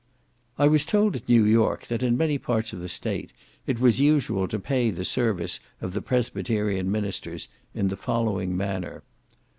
I was told at New York, that in many parts of the state it was usual to pay the service of the Presbyterian ministers in the following manner.